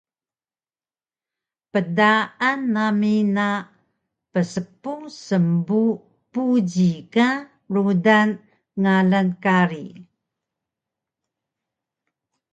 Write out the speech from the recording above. Pdaan nami na pspung smbu buji ka rudan ngalan kari